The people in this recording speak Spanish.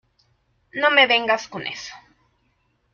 no me vengas con eso.